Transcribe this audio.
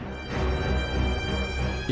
aku sudah mencari